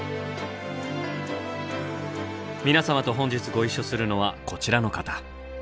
皆様と本日ご一緒するのはこちらの方。